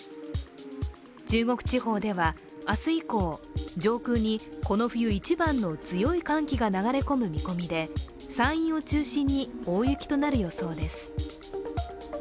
中国地方では明日以降、上空にこの冬一番の強い寒気が流れ込む見込みで山陰を中心に大雪となる予想です。